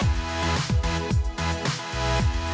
เพลง